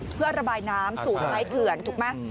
เพื่อระบายน้ำสู่ท้ายเขื่อนถูกไหม